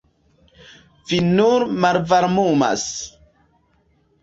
Vi nur malvarmumas.